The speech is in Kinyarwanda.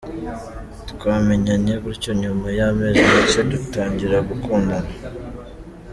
Twamenyanye gutyo, nyuma y’amezi make dutangira gukundana.